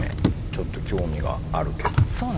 ちょっと興味があるけど